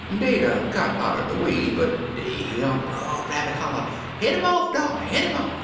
Dey'd 'a' got out'n de way, but dey hear Brer Rabbit holler, 'Head 'im off, darl Head *im off!